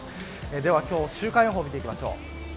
では今日、週間予報を見ていきましょう。